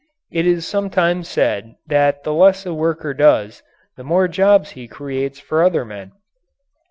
It is sometimes said that the less a worker does, the more jobs he creates for other men.